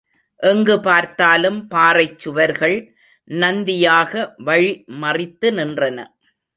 எங்கு பார்த்தாலும் பாறைச் சுவர்கள் நந்தியாக வழி மறைத்து நின்றன.